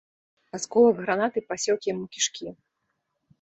Асколак гранаты пасек яму кішкі.